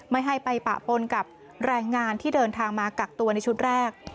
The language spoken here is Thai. ไม่ให้ไปปะปนกับแรงงานที่เดินทางมากักตัวในชุดแรก